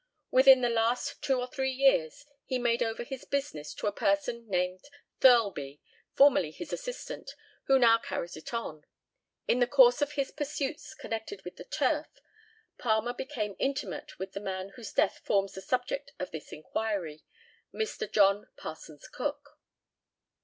Within the last two or three years he made over his business to a person named Thirlby, formerly his assistant, who now carries it on. In the course of his pursuits connected with the turf, Palmer became intimate with the man whose death forms the subject of this inquiry Mr. John Parsons Cook.